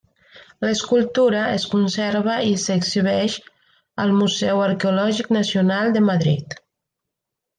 L'escultura es conserva i s'exhibeix al Museu Arqueològic Nacional de Madrid.